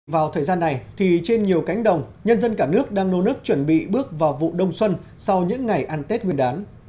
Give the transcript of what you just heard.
vào thời gian này thì trên nhiều cánh đồng nhân dân cả nước đang nô nức chuẩn bị bước vào vụ đông xuân sau những ngày ăn tết nguyên đán